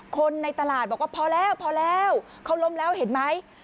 คนในตลาดบอกว่าพอแล้วพอแล้วเขาล้มแล้วเห็นไหม